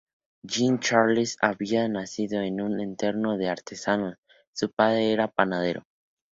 Jean-Charles había nacido en un entorno de artesanos, su padre era panadero.